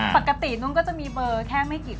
ปกตินุ่งก็จะมีเบอร์แค่ไม่กี่